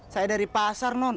saya dari pasar non